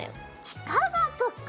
幾何学か。